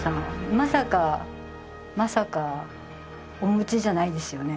まさかまさかお持ちじゃないですよね？